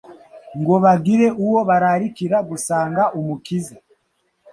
ngo bagire uwo bararikira gusanga Umukiza.